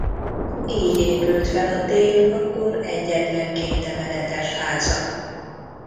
Így épült fel a tér akkor egyetlen kétemeletes háza.